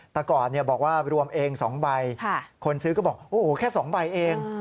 แต่ก่อนบอกว่ารวมเอง๒ใบคนซื้อก็บอกโอ้โหแค่๒ใบเอง